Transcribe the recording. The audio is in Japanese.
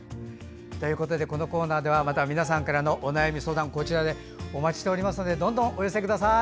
このコーナーではまた皆さんからのお悩み、相談お待ちしておりますのでどんどんお寄せください。